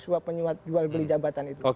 suap penyuat jual beli jabatan itu